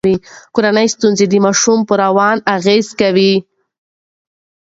کورنۍ ستونزې د ماشوم په روان اغیز کوي.